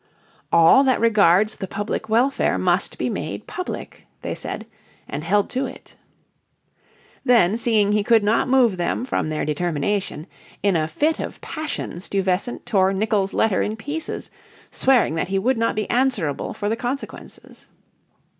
"All that regards the public welfare must be made public," they said, and held to it. Then, seeing he could not move them from their determination, in a fit of passion Stuyvesant tore Nicolls' letter in pieces, swearing that he would not be answerable for the consequences.